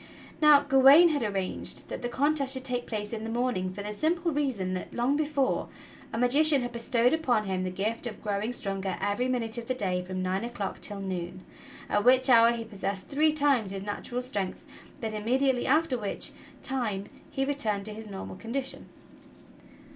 Now Gawain had arranged that the contest should take place in the morning for the simple reason that, long before, a magician had bestowed upon him the gift of growing stronger every minute of the day from nine o'clock till noon, at which hour he possessed three times his natural strength, but imme diately after which time he returned to his normal condition.